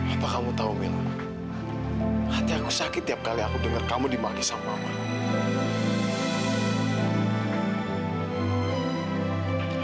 apa kamu tahu mil hati aku sakit tiap kali aku dengar kamu dimanggil sama mama